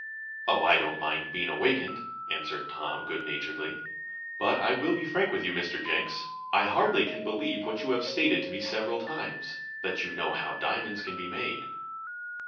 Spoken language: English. "Oh, I don't mind being awakened," answered Tom, good naturedly, "but I will be frank with you, Mr. Jenks. I hardly can believe what you have stated to me several times that you know how diamonds can be made."